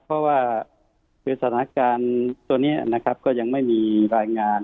เพราะว่าในสถานการณ์ตัวนี้นะครับก็ยังไม่มีรายงาน